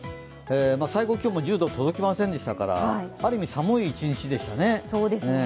最高気温も１０度に届きませんでしたからある意味、寒い一日でしたね。